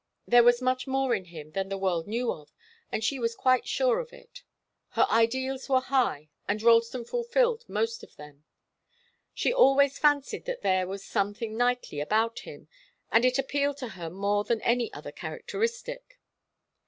There was much more in him than the world knew of, and she was quite sure of it. Her ideals were high, and Ralston fulfilled most of them. She always fancied that there was something knightly about him, and it appealed to her more than any other characteristic.